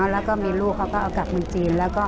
แล้วก็มีลูกเขาก็เอากลับเมืองจีน